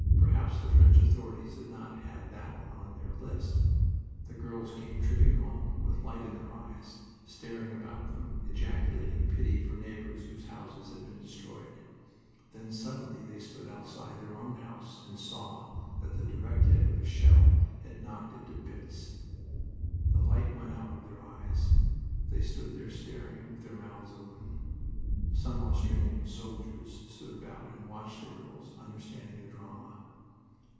Perhaps the French authorities had not had that one on their list. The girls came tripping home, with light in their eyes, staring about them, ejaculating pity for neighbors whose houses had been destroyed. Then suddenly they stood outside their own house and saw that the direct hit of a shell had knocked it to bits. The light went out of their eyes. They stood there staring, with their mouths open... Some Australian soldiers stood about and watched the girls, understanding the drama.